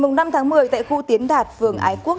ngày năm tháng một mươi tại khu tiến đạt phường ái quốc